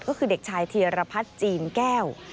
ก็คือเด็กชายธีรพัฒน์จีนแก้ว